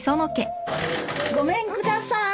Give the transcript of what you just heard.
・・ごめんください。